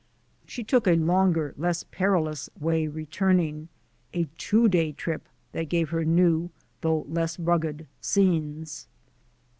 She took a longer, less perilous way returning — a two day trip that gave her new, though less rugged, scenes.